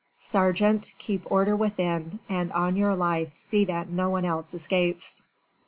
"Sergeant, keep order within, and on your life see that no one else escapes."